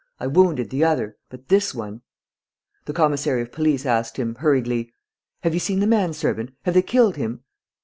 I wounded the other; but this one...." The commissary of police asked him, hurriedly: "Have you seen the man servant? Have they killed him?"